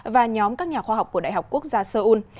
và nhóm các nhà khoa học của đại học quốc gia seoul